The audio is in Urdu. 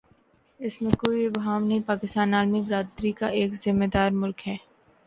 اس میں کوئی ابہام نہیں پاکستان عالمی برادری کا ایک ذمہ دارملک ہے۔